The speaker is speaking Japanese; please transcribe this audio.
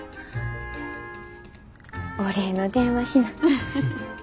お礼の電話しな。